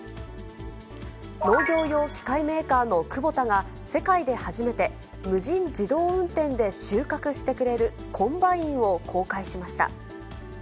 農業用機械メーカーのクボタが世界で初めて無人自動運転で収穫してくれるコンバインを公開しました。